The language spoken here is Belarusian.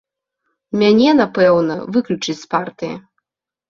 Мяне, напэўна, выключаць з партыі.